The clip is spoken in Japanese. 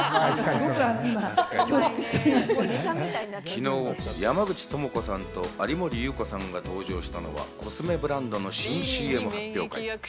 昨日、山口智子さんと有森裕子さんが登場したのはコスメブランドの新ＣＭ発表会。